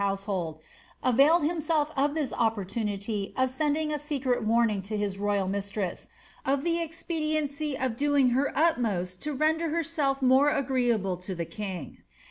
jfl'^holil, nvniled himself of this opportunity of sending a secret wnrn ■■> hiB myal mislress "of lite expediency of doing her Ulnioet to '.rr hrraelf more agreeable lo the king."